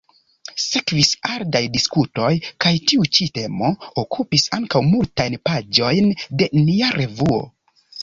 Sekvis ardaj diskutoj kaj tiu ĉi temo okupis ankaŭ multajn paĝojn de nia revuo.